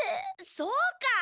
そうか！